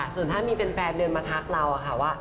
ส่วนถ้ามีแฟนเดินมาทักเรา